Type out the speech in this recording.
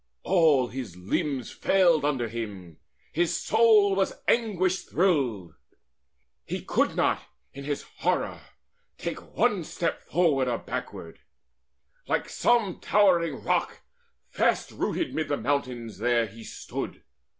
All his limbs Failed under him; his soul was anguished thrilled: He could not in his horror take one step Forward nor backward. Like some towering rock Fast rooted mid the mountains, there he stood.